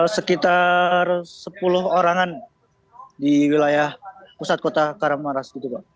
sekitar sepuluh orangan di wilayah pusat kota karamaras